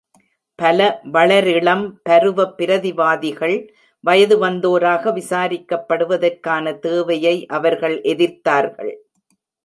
பல வளரிளம் பருவ பிரதிவாதிகள் வயதுவந்தோராக விசாரிக்கப்படுதவதற்கான தேவையை அவர்கள் எதிர்த்தார்கள்.